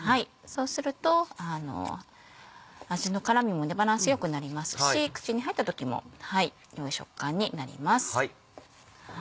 そうすると味の絡みもバランス良くなりますし口に入った時も良い食感になります。